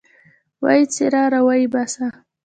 ويې څيره راويې باسه.